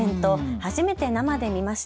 初めて生で見ました。